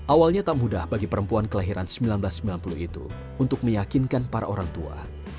awalnya tak mudah bagi perempuan kelahiran seribu sembilan ratus sembilan puluh itu untuk meyakinkan para orang tua